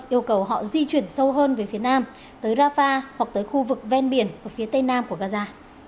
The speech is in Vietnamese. yêu cầu họ di chuyển sâu hơn về phía nam tới rafah hoặc tới khu vực ven biển phía tây nam của gaza